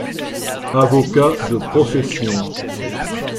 Avocat de profession.